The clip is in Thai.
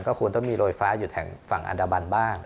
ควรต้องมีโรยฟ้าอยู่แถวฝั่งอันดามันบ้าง